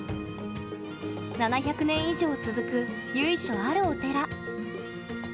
７００年以上続く由緒あるお寺。